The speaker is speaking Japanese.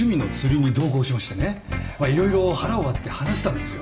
まあ色々腹を割って話したんですよ。